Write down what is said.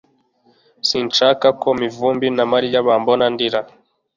Sinshaka ko Mivumbi na Mariya bambona ndira